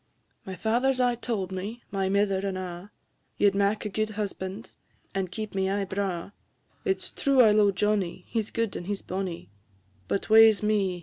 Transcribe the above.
"My father 's aye tauld me, my mither and a', Ye 'd mak a gude husband, and keep me aye braw; It 's true I lo'e Johnnie, he 's gude and he 's bonnie; But, waes me!